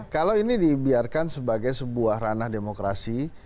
kalau ini dibiarkan sebagai sebuah ranah demokrasi